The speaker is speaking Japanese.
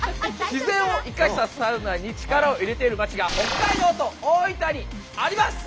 自然を生かしたサウナに力を入れている町が北海道と大分にあります！